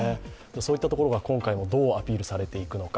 そういったところが今回もどうアピールされているのか。